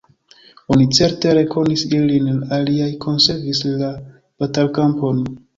Oni certe rekonis ilin: la aliaj konservis la batalkampon!